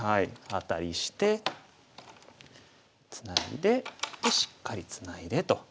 アタリしてツナいででしっかりツナいでと。